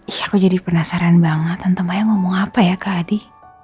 iya aku jadi penasaran banget tante maya ngomong apa ya kak adi